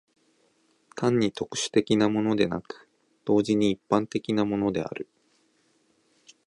単に特殊的なものでなく、同時に一般的なものである。